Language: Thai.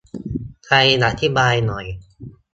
ใครอธิบายหน่อย